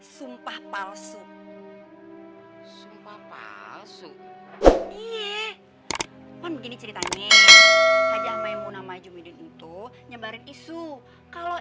sumpah palsu sumpah palsu iyeh begini ceritanya aja main munamai jumidin itu nyebarin isu kalau